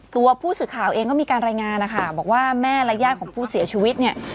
ตัวผู้สื่อข่าวเองก็มีการรายงานนะคะบอกว่าแม่และญาติของผู้เสียชีวิตเนี่ย